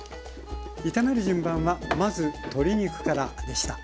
炒める順番はまず鶏肉からでした。